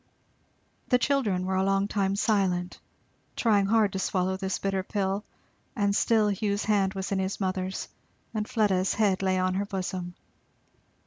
The children were a long time silent, trying hard to swallow this bitter pill; and still Hugh's hand was in his mother's and Fleda's head lay on her bosom.